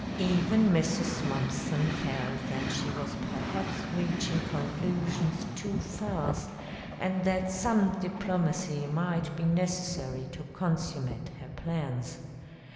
Even Mrs. Mumpson felt that she was perhaps reaching conclusions too fast and that some diplomacy might be necessary to consummate her plans.